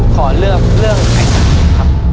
ขอเลือกเรื่องไอศกรีมครับ